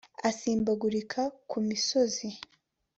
Asimbagurika ku misozi.